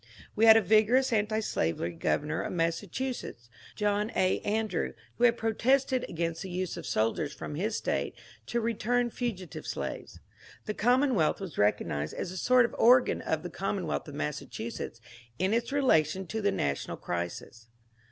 We had a vigorous antislavery governor of Massachusetts, John A. Andrew, who had protested against the use of soldiers from his State to return fugitive slaves. The *^ Commonwealth " was recognized as a sort of organ of the Commonwealth of Massachusetts in its relation to the national crisis.